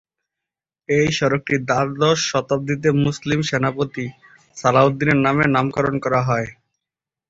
এই সড়কটি দ্বাদশ শতাব্দীর মুসলিম সেনাপতি সালাহউদ্দিনের নামে নামকরণ করা হয়েছে।